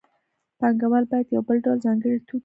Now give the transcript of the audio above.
پانګوال باید یو بل ډول ځانګړی توکی هم وپېري